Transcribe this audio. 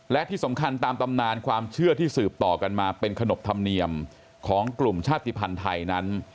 และที่สำคัญตามตำนานความเชื่อที่สืบต่อกันมาเป็นขนบธรรมเนียมของกลุ่มชาติภัณฑ์ไทยนั้น